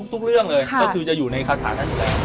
ทุกเรื่องเลยก็คือจะอยู่ในคาถานั้นอยู่แล้ว